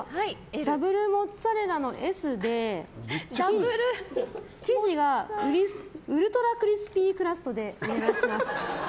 ダブルモッツァレラのＳで生地がウルトラクリスピークラストでお願いします。